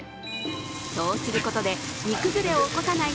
そうすることで煮崩れを起こさない